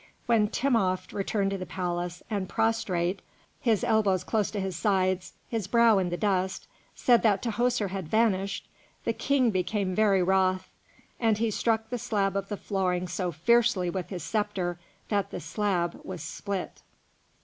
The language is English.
When Timopht returned to the palace and, prostrate, his elbows close to his sides, his brow in the dust, said that Tahoser had vanished, the King became very wroth, and he struck the slab of the flooring so fiercely with his sceptre that the slab was split.